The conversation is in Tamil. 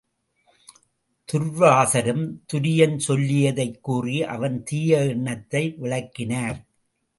துர்வாசரும் துரியன் சொல்லியதைக் கூறி அவன் தீய எண்ணத்தை விளக்கினார்.